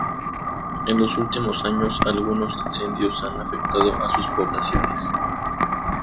En los últimos años algunos incendios han afectado a sus poblaciones.